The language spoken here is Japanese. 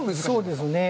そうですね。